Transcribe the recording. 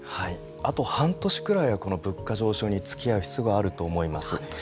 あと半年くらいは物価上昇につきあう必要があると思います。